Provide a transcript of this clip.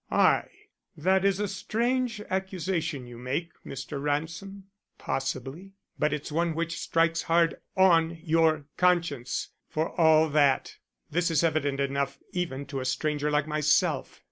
"I? That's a strange accusation you make, Mr. Ransom." "Possibly. But it's one which strikes hard on your conscience, for all that. This is evident enough even to a stranger like myself.